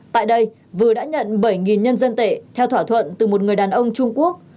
tại đây vừa đã nhận bảy nhân dân tệ theo thỏa thuận từ một người đàn ông trung quốc